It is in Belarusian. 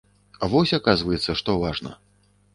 Вось, аказваецца, што важна.